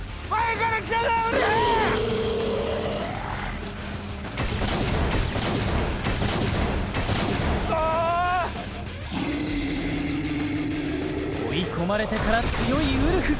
クソーッ追い込まれてから強いウルフ！